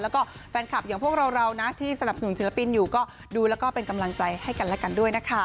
แล้วก็แฟนคลับอย่างพวกเรานะที่สนับสนุนศิลปินอยู่ก็ดูแล้วก็เป็นกำลังใจให้กันและกันด้วยนะคะ